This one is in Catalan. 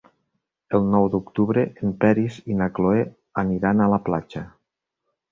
El nou d'octubre en Peris i na Cloè aniran a la platja.